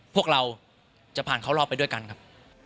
พวกเราจะผ่านเข้ารอบไปด้วยกันครับ